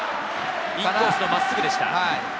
インコースの真っすぐでした。